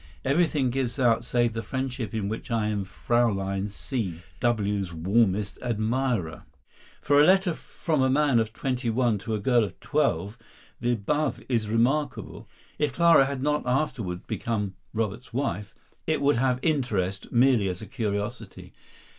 "Everything gives out, save the friendship in which I am Fraulein C. W.'s warmest admirer." For a letter from a man of twenty one to a girl of twelve, the above is remarkable. If Clara had not afterward become Robert's wife, it would have interest merely as a curiosity.